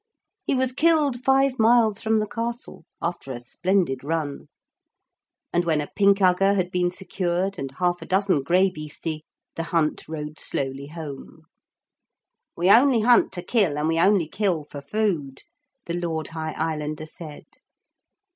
He was killed five miles from the castle after a splendid run. And when a pinkugger had been secured and half a dozen graibeeste, the hunt rode slowly home. 'We only hunt to kill and we only kill for food,' the Lord High Islander said.